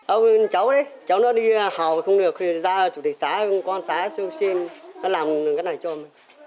ông cháu đấy cháu nó đi hào không được thì ra chủ tịch xã con xã xin nó làm cái này cho mình